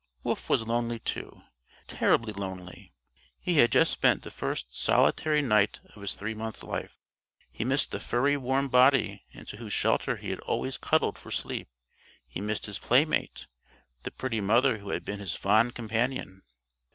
Wolf was lonely, too terribly lonely. He had just spent the first solitary night of his three month life. He missed the furry warm body into whose shelter he had always cuddled for sleep. He missed his playmate the pretty mother who had been his fond companion.